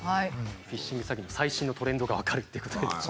フィッシング詐欺の最新のトレンドが分かるっていうことですね。